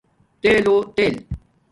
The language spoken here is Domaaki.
تیل لو تیل